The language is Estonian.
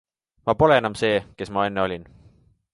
Ma pole enam see, kes ma enne olin.